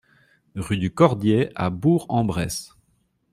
Rue du Cordier à Bourg-en-Bresse